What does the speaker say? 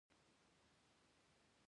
هغه د انسان په عملي عقل کې یو څه ویني.